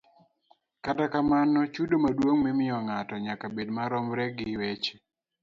Kata kamano, chudo maduong' mimiyo ng'ato nyaka bed maromre gi weche